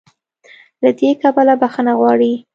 له دې کبله "بخښنه غواړي"